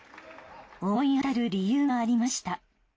思い当たる理由がありました。